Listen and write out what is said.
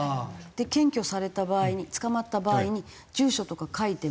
検挙された場合に捕まった場合に住所とか書いても。